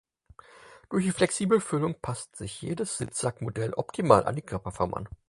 Durch die flexible Füllung passt sich jedes Sitzsack-Modell optimal an die Körperform an.